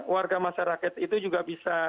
warga masyarakat itu juga bisa